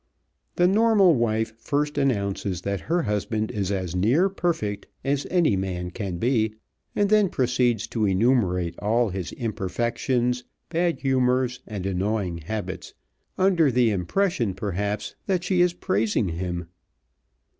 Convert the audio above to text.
The normal wife first announces that her husband is as near perfect as any man can be, and then proceeds to enumerate all his imperfections, bad humors, and annoying habits, under the impression, perhaps, that she is praising him.